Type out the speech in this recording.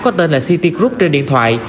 có tên là city group trên điện thoại